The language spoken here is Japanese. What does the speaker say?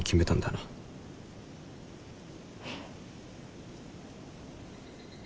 うん。